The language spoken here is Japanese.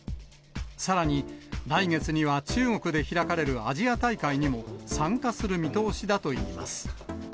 さらに来月には中国で開かれるアジア大会にも参加する見通しだといいます。